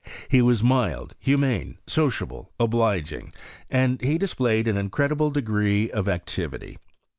He was mild, humane, sociable^ obli(^ingy and hc displayed an incredible degree of activity.